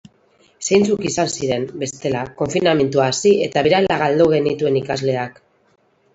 Zeintzuk izan ziren, bestela, konfinamendua hasi eta berehala galdu genituen ikasleak?